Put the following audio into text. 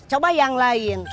coba yang lain